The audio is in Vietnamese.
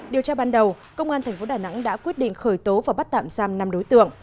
điều tra ban đầu công an tp đà nẵng đã quyết định khởi tố và bắt tạm giam năm đối tượng